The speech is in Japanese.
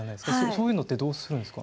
そういうのってどうするんですか？